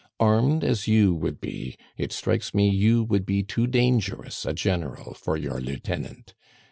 Armed as you would be, it strikes me you would be too dangerous a general for your lieutenant.